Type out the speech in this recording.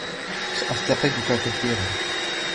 سأفتقدك كثيرًا.